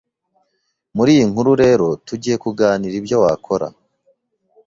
Muri iyi nkuru rero tugiye kuganira ibyo wakora